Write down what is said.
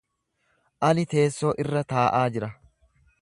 Ani teessoo irra taa’aa jira.